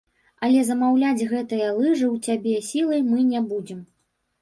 Але замаўляць гэтыя лыжы ў цябе сілай мы не будзем.